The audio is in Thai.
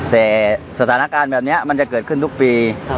แต่สถานการณ์แบบนี้มันจะเกิดขึ้นทุกปี